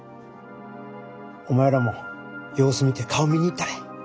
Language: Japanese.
お前らも様子見て顔見に行ったれ。